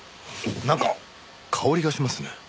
なんか香りがしますね。